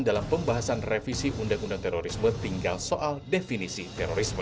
dan dalam pembahasan revisi undang undang terorisme tinggal soal definisi terorisme